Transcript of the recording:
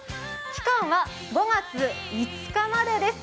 期間は５月５日までです。